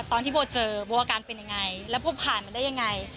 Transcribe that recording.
ตอนที่โบเจอโบอาการเป็นยังไงแล้วโบผ่านมาได้ยังไง